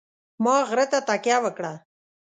ما غره ته تکیه وکړه.